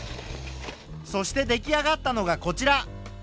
そして出来上がったのがこちら。